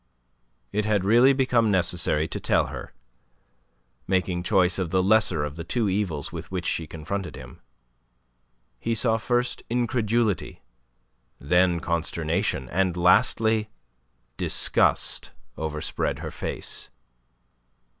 It had really become necessary to tell her, making choice of the lesser of the two evils with which she confronted him. He saw first incredulity, then consternation, and lastly disgust overspread her face.